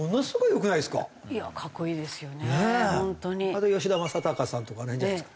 あと吉田正尚さんとかあの辺じゃないですか？